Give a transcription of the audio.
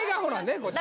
こっちは。